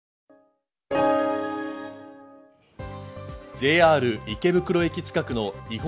ＪＲ池袋駅近くの違法